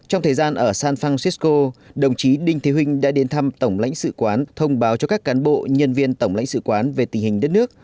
trong thời gian ở san francisco đồng chí đinh thế hinh đã đến thăm tổng lãnh sự quán thông báo cho các cán bộ nhân viên tổng lãnh sự quán về tình hình đất nước